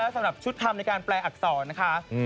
สำหรับชุดทำในการแปลอักษรนะคะ